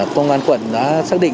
công an quận đã xác định